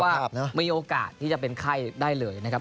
ว่ามีโอกาสที่จะเป็นไข้ได้เลยนะครับ